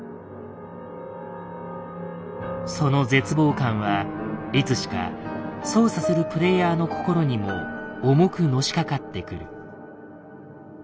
その絶望感はいつしか操作するプレイヤーの心にも重くのしかかってくる。